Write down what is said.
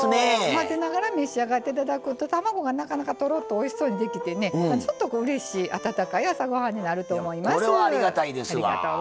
混ぜながら召し上がっていただくと卵が、なかなか、とろっとおいしそうにできてねちょっとうれしい温かい朝ごはんになると思います。